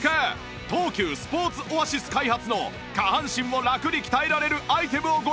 東急スポーツオアシス開発の下半身をラクに鍛えられるアイテムをご紹介！